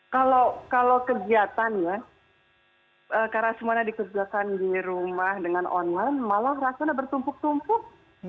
kalau kegiatan ya karena semuanya dikerjakan di rumah dengan online malah rasanya bertumpuk tumpuk